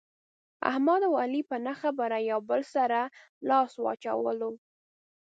احمد او علي په نه خبره یو له بل سره لاس واچولو.